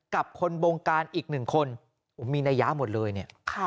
กับคนบงการอีก๑คนมีนัยยะหมดเลยนี่